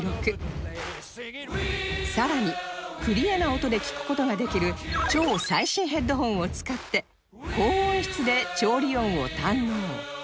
さらにクリアな音で聞く事ができる超最新ヘッドホンを使って高音質で調理音を堪能